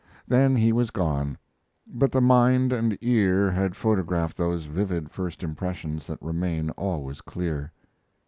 Then he was gone; but the mind and ear had photographed those vivid first impressions that remain always clear.